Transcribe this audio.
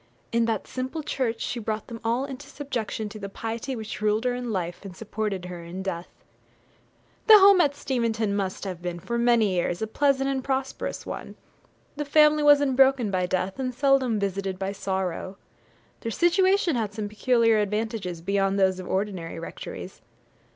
In that simple church she brought them all into subjection to the piety which ruled her in life, and supported her in death. The home at Steventon must have been, for many years, a pleasant and prosperous one. The family was unbroken by death, and seldom visited by sorrow. Their situation had some peculiar advantages beyond those of ordinary rectories.